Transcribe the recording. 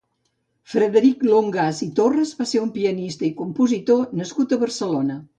Frederic Longàs i Torres va ser un pianista i compositor nascut a Barcelona.